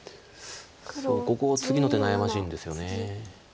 ここ次の手悩ましいんですよね。